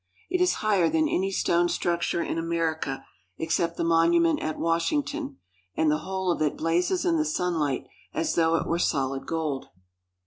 It is higher than any stone structure in America, except the Monument at Washington, and the whole of it blazes in the sunlight as though it were solid gold.